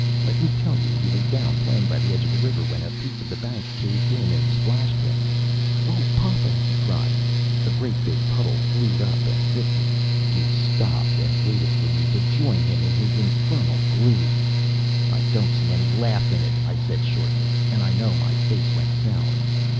Let me tell you. He was down playing by the edge of the river when a piece of the bank caved in and splashed him. 'O papa!' he cried; 'a great big puddle flewed up and hit me.'" He stopped and waited for me to join him in his infernal glee. "I don't see any laugh in it," I said shortly, and I know my face went sour.